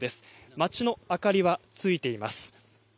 街の明かりはついています。